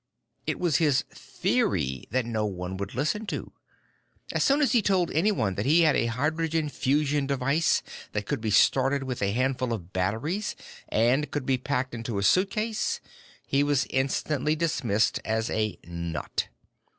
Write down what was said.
It was his theory that no one would listen to. As soon as he told anyone that he had a hydrogen fusion device that could be started with a handful of batteries and could be packed into a suitcase, he was instantly dismissed as a nut.